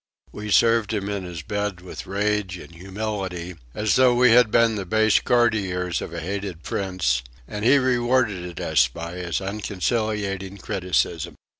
We served him in his bed with rage and humility, as though we had been the base courtiers of a hated prince; and he rewarded us by his unconciliating criticism.